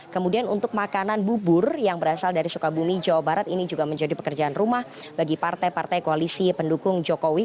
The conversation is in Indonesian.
kemudian untuk makanan bubur yang berasal dari sukabumi jawa barat ini juga menjadi pekerjaan rumah bagi partai partai koalisi pendukung jokowi